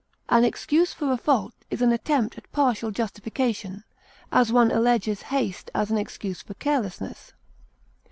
An excuse for a fault is an attempt at partial justification; as, one alleges haste as an excuse for carelessness.